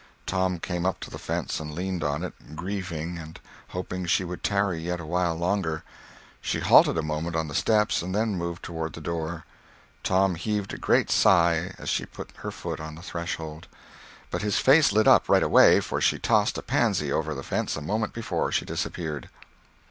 Tom came up to the fence and leaned on it, grieving, and hoping she would tarry yet awhile longer. She halted a moment on the steps and then moved toward the door. Tom heaved a great sigh as she put her foot on the threshold. But his face lit up, right away, for she tossed a pansy over the fence a moment before she disappeared.